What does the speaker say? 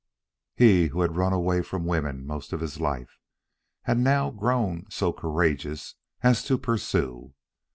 He, who had run away from women most of his life, had now grown so courageous as to pursue.